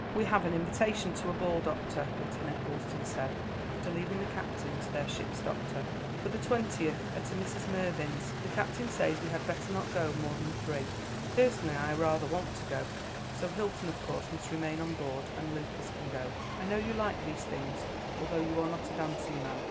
"We have an invitation to a ball, doctor," Lieutenant Gulston said after leaving the captain, to their ship's doctor, "for the 20th, at a Mrs. Mervyn's. The captain says we had better not go more than three. Personally I rather want to go. So Hilton of course must remain on board, and Lucas can go. I know you like these things, although you are not a dancing man.